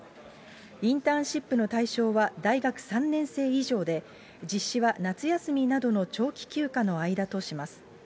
インターンシップの対象は大学３年生以上で、実施は夏休みなどの長期休暇の間とします。